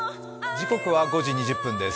時刻は５時２０分です。